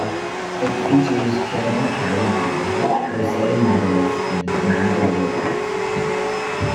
It features Kim and Kelley Deal, Jose Medeles and Mando Lopez.